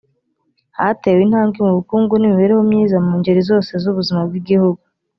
hatewe intambwe mu bukungu n’imibereho myiza mu ngeri zose z’ubuzima bw’igihugu